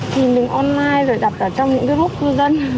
tìm đến online rồi đặt vào trong những group khu dân